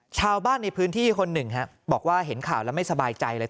ชาวบ้านในพื้นที่คนหนึ่งบอกว่าเห็นข่าวแล้วไม่สบายใจเลย